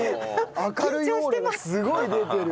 明るいオーラがすごい出てる。